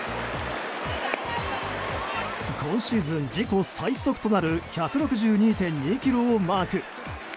今シーズン自己最速となる１６２．２キロをマーク。